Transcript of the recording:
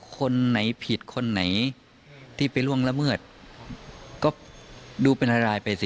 คนไหนผิดคนไหนที่ไปล่วงละเมิดก็ดูเป็นรายไปสิ